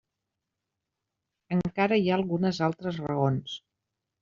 Encara hi ha algunes altres raons.